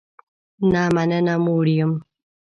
نه مننه، موړ یم